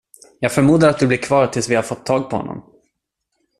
Jag förmodar att du blir kvar tills vi fått tag på honom.